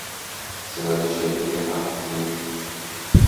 صدای شلیک هفتتیر